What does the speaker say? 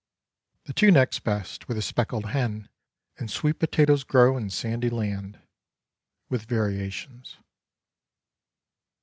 " The two next best were The Speckled Hen, and Sweet Potatoes Grow in Sandy Land, with variations.